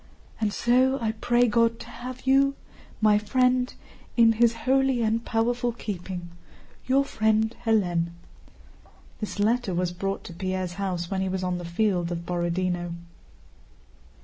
And so I pray God to have you, my friend, in His holy and powerful keeping—Your friend Hélène. This letter was brought to Pierre's house when he was on the field of Borodinó.